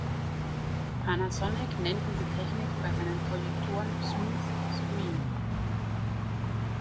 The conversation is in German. Panasonic nennt diese Technik bei seinen Projektoren „Smooth Screen“.